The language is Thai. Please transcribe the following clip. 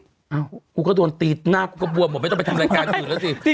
อ้าวกูก็โดนตีหน้ากูก็บวมหมดไม่ต้องไปทำรายการอื่นแล้วสิ